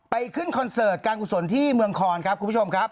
ขึ้นคอนเสิร์ตการกุศลที่เมืองคอนครับคุณผู้ชมครับ